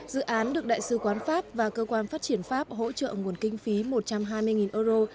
dự án được đại sứ quán pháp và cơ quan phát triển pháp hỗ trợ nguồn kinh phí một trăm hai mươi euro